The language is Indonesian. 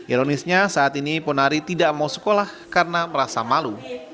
ironisnya saat ini ponari tidak mau sekolah karena merasa malu